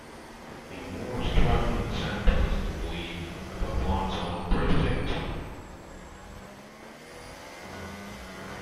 A more striking example is the belief about one's own birthdate.